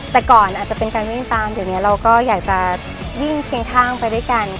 แต่ก่อนอาจจะเป็นการวิ่งตามเดี๋ยวนี้เราก็อยากจะวิ่งเคียงข้างไปด้วยกัน